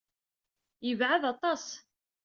Yebɛed aṭas.